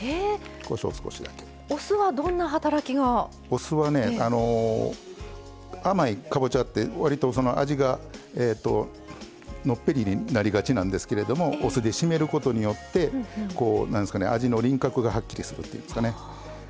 お酢はね甘いかぼちゃって割と味がのっぺりになりがちなんですけれどもお酢で締めることによって味の輪郭がはっきりするっていいますかね。